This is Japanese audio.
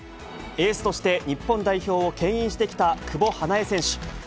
エースとして、日本代表をけん引してきた久保英恵選手。